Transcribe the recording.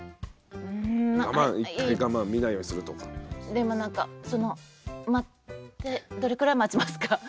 でもなんかその待ってどれくらい待ちますか？